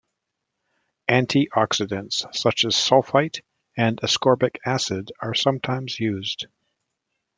Antioxidants such as sulfite and ascorbic acid are sometimes used.